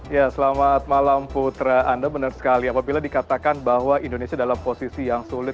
ya selamat malam putra anda benar sekali apabila dikatakan bahwa indonesia dalam posisi yang sulit